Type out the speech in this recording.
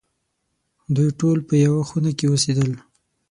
دوی ټول په یوه خونه کې اوسېدل.